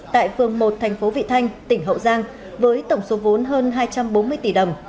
tại phường một thành phố vị thanh tỉnh hậu giang với tổng số vốn hơn hai trăm bốn mươi tỷ đồng